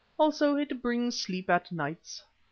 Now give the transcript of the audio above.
Also it brings sleep at nights."